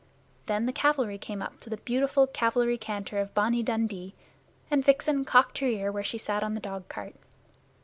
Then the cavalry came up, to the beautiful cavalry canter of "Bonnie Dundee," and Vixen cocked her ear where she sat on the dog cart.